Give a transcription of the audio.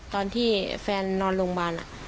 ตอนที่แฟนนอนโรงพยาบาล